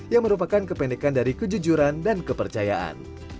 yang merupakan kependekan dari kejujuran dan kepercayaan